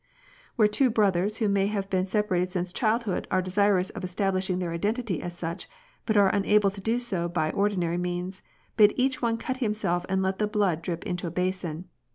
" Where two brothers who may have been separated since child hood are desirous of establishing their identity as such, but are unable to do so by ordinary means, bid each one cut himself and let the blood drip into a basin.